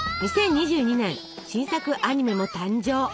２０２２年新作アニメも誕生。